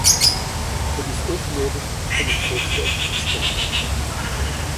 Het is ook nodig om het voorstel te versterken.